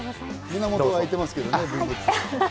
胸元は空いてますけどね。